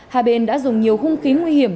hạ bên đã dùng nhiều hung khí nguy hiểm